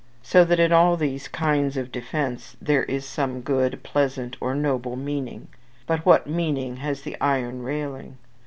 So that in all these kinds of defence there is some good, pleasant, or noble meaning. But what meaning has the iron railing?